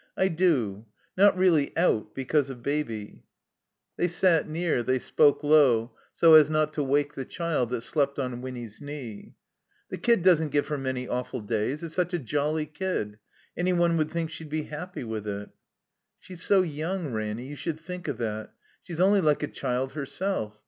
"I do. Not really out because of Baby." 173 THE COMBINED MAZE They sat near, they spoke low, so as not to wake the child that slept on Winny's knee. ''The kid doesn't give her many awftd days. It's such a jolly kid. Any one would think she'd be happy with it." I "She's so young, Ranny. You should think of that. She's only like a child herself.